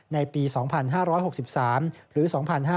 ในปี๒๕๖๓หรือ๒๕๕๙